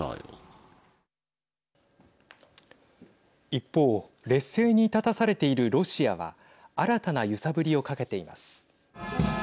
一方、劣勢に立たされているロシアは新たな揺さぶりをかけています。